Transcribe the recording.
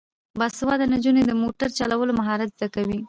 باسواده نجونې د موټر چلولو مهارت زده کوي.